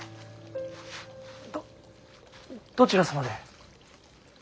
どどちら様で？